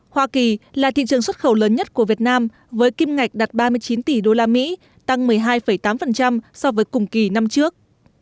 hoa kỳ là thị trường xuất khẩu lớn nhất của việt nam với kim ngạch đạt ba mươi chín tỷ usd tăng một mươi hai tám so với cùng kỳ năm trước